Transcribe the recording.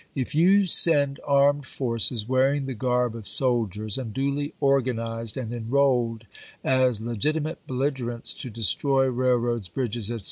If you send armed forces, wearing the garb of soldiers and duly organized and enrolled as legitimate belligerents, to destroy rail roads, bridges, etc.